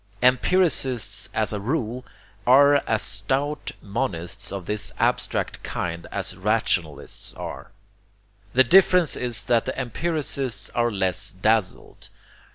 Empiricists as a rule, are as stout monists of this abstract kind as rationalists are. The difference is that the empiricists are less dazzled.